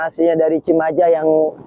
aslinya dari cimaja yang